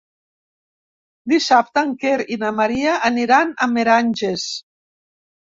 Dissabte en Quer i na Maria aniran a Meranges.